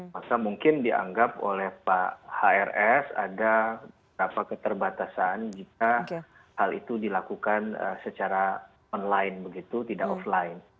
maka mungkin dianggap oleh pak hrs ada berapa keterbatasan jika hal itu dilakukan secara online begitu tidak offline